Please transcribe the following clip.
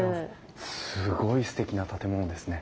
すごいすてきな建物ですね。